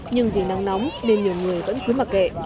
nhưng vì nắng nóng nên nhiều người vẫn khuyến mặc kệ